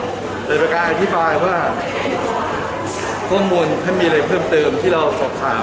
แต่เป็นการอธิบายว่าข้อมูลถ้ามีอะไรเพิ่มเติมที่เราสอบถาม